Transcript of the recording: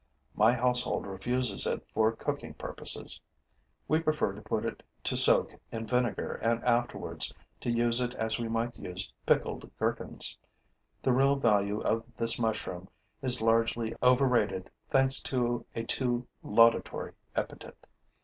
My household refuses it for cooking purposes. We prefer to put it to soak in vinegar and afterwards to use it as we might use pickled gherkins. The real value of this mushroom is largely overrated thanks to a too laudatory epithet.